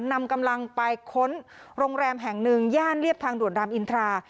นำกำลังไปค้นโรงแรมแห่งหนึ่งย่านเรียบทางด่วนรามอินทรา